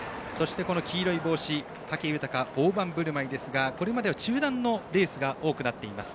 黄色い帽子武豊、オオバンブルマイですがこれまでは中団のレースが多くなっています。